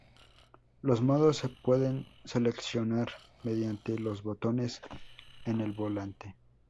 Los modos se pueden seleccionar mediante los botones en el volante.